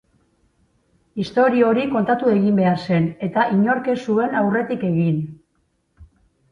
Istorio hori kontatu egin behar zen, eta inork ez zuen aurretik egin.